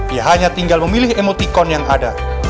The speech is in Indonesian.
ia hanya tinggal memilih emotikon yang ada